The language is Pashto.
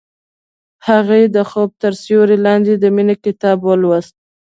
هغې د خوب تر سیوري لاندې د مینې کتاب ولوست.